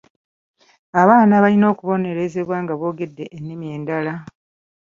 Abaana balina okubonerezebwa nga boogedde ennimi endala.